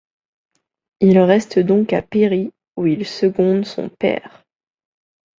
Il reste donc à Péry, où il seconde son père.